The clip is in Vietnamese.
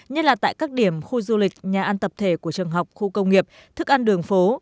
nhất là tại các điểm khu du lịch nhà ăn tập thể của trường học khu công nghiệp thức ăn đường phố